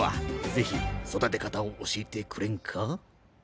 是非育て方を教えてくれんか？